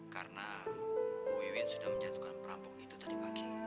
karena bu iwin sudah menjatuhkan perampok itu tadi pagi